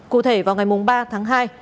cụ thể vào ngày ba tháng hai